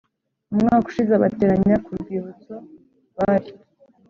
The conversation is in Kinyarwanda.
Umwaka ushize abateranye ku Rwibutso bari